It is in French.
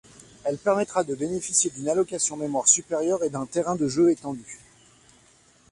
Elle permettra de bénéficier d'une allocation mémoire supérieure et d'un terrain de jeu étendu.